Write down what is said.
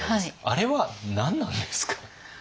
あれは何なんですか？